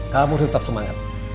kamu harus tetap semangat